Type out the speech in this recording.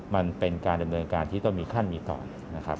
มันเป็นการดำเนินการที่ต้องมีขั้นมีตอนนะครับ